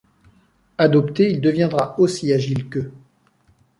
Adopté, il deviendra aussi agile qu'eux.